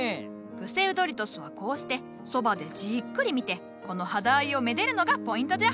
プセウドリトスはこうしてそばでじっくり見てこの肌合いをめでるのがポイントじゃ。